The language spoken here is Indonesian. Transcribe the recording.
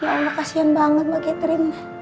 ya allah kasihan banget mbak ketri